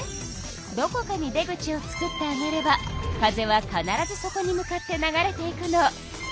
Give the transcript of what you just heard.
どこかに出口をつくってあげれば風は必ずそこに向かって流れていくの。